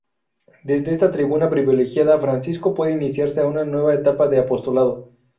Desde esta tribuna privilegiada Francisco puede iniciarse a una nueva etapa de apostolado.